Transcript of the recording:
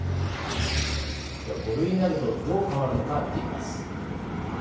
では５類になるとどう変わるのか見てみます。